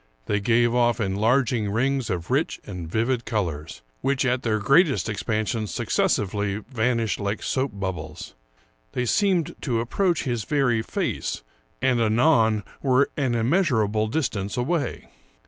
They gave ofif enlarging rings of rich and vivid colors, which at their greatest expansion succes sively vanished like soap bubbles ; they seemed to approach his very face, and anon were an immeasurable distance away.